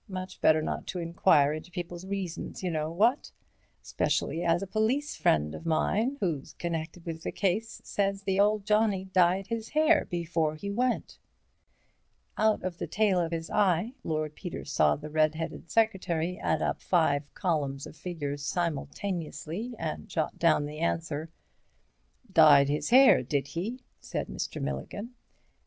Much better not enquire into people's reasons, y'know, what? Specially as a police friend of mine who's connected with the case says the old johnnie dyed his hair before he went." Out of the tail of his eye, Lord Peter saw the red headed secretary add up five columns of figures simultaneously and jot down the answer. "Dyed his hair, did he?" said Mr. Milligan.